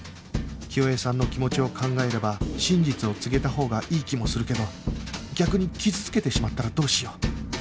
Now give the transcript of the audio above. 清江さんの気持ちを考えれば真実を告げたほうがいい気もするけど逆に傷つけてしまったらどうしよう？